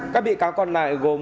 các bị cáo còn lại gồm